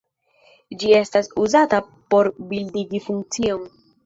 Ĝi estas uzata por bildigi funkcion.